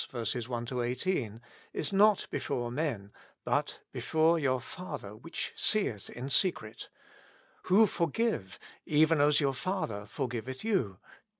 1 18) is not before men, but "before your Father which seeth in secret ;" who forgive, " even as your Father forgiveth you" (vi.